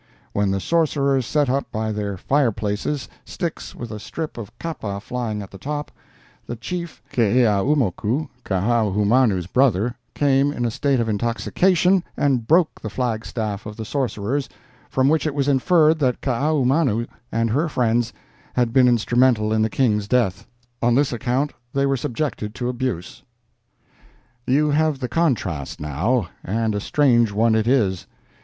When the sorcerers set up by their fireplaces sticks with a strip of kapa flying at the top, the chief Keeaumoku, Kaahumanu's brother, came in a state of intoxication and broke the flagstaff of the sorcerers, from which it was inferred that Kaahumanu and her friends had been instrumental in the King's death. On this account they were subjected to abuse." You have the contrast, now, and a strange one it is.